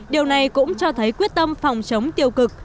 điều này cũng cho thấy quyết tâm phòng chống tiêu cực